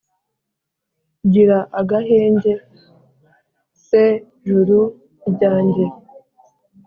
gira agahenge se juru ryanjye